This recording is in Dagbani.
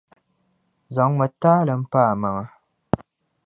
Zaŋmi taali m-pa a maŋa.